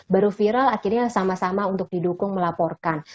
baru viral akhirnya sama sama untuk didukung melaporkan